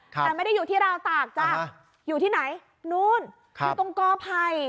แต่ไม่ได้อยู่ที่ราวตากจ้ะอยู่ที่ไหนนู่นอยู่ตรงกอภัย